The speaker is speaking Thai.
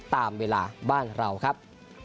ตามเวลาบ้านเราครับ